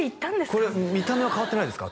これ見た目は変わってないですか？